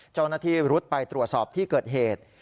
เจ้าหน้าที่รุดไปตรวจสอบที่เกิดเหตุ